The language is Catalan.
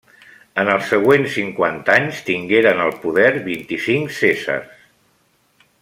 En els següents cinquanta anys, tingueren el poder vint-i-cinc cèsars.